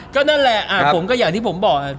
ก็นั่นแหละผมก็อย่างที่ผมบอก